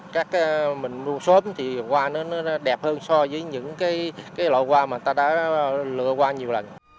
các mình mua xóm thì hoa nó đẹp hơn so với những cái loại hoa mà ta đã lựa qua nhiều lần